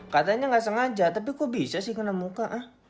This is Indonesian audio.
katanya nggak sengaja tapi kok bisa sih kena muka